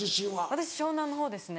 私湘南の方ですね。